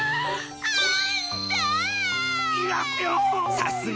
さすが。